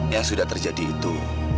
yang sudah terjadi itu